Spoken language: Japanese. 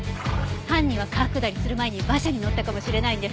犯人は川下りする前に馬車に乗ったかもしれないんです。